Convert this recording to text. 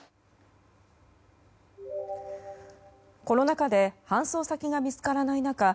コロナ禍で搬送先が見つからない中